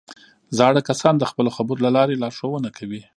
زاړه کسان د خپلو خبرو له لارې لارښوونه کوي